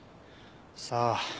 さあ。